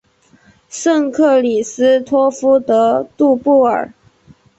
圣克里斯托夫德杜布尔。